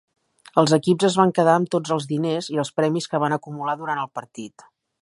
Els equips es van quedar amb tots els diners i els premis que van acumular durant el partit.